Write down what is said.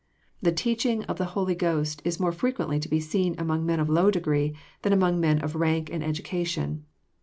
The teaching of the Holy Ghost is more frequently to be seen among men of low degree than among men of rank and education.